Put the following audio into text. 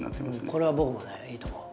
これは僕もねいいと思う。